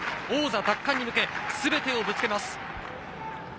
王座奪還に向け、全てをぶつけます。